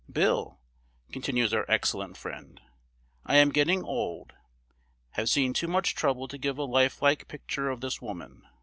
Bill," continues our excellent friend, "I am getting old; have seen too much trouble to give a lifelike picture of this woman.